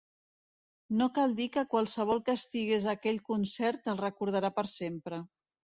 No cal dir que qualsevol que estigués a aquell concert el recordarà per sempre.